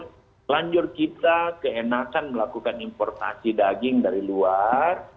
selanjutnya kita keenakan melakukan importasi daging dari luar